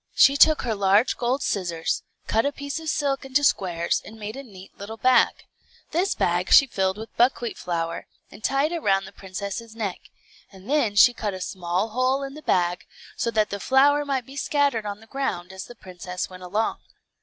She took her large gold scissors, cut a piece of silk into squares, and made a neat little bag. This bag she filled with buckwheat flour, and tied it round the princess's neck; and then she cut a small hole in the bag, so that the flour might be scattered on the ground as the princess went along.